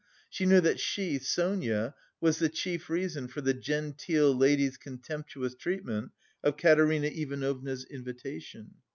She knew that she, Sonia, was the chief reason for the 'genteel' ladies' contemptuous treatment of Katerina Ivanovna's invitation.